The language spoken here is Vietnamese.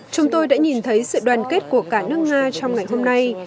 chúng tôi đã nhìn thấy sự đoàn kết của cả nước nga trong ngày hôm nay